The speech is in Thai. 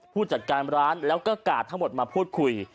ผู้จัดการร้านแล้วก็กาดทั้งหมดมาพูดคุย